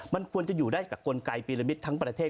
มันควรจะอยู่ได้กับกลไกปีละมิตรทั้งประเทศ